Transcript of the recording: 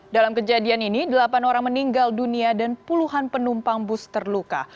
dalam kejadian ini delapan orang meninggal dunia dan puluhan penumpang bus terluka